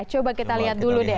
coba kita lihat dulu deh